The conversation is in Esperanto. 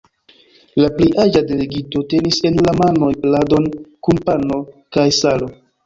La plej aĝa delegito tenis en la manoj pladon kun pano kaj salo.